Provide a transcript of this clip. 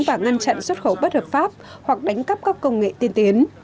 và ngăn chặn xuất khẩu bất hợp pháp hoặc đánh cắp các công nghệ tiên tiến